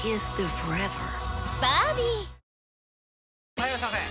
・はいいらっしゃいませ！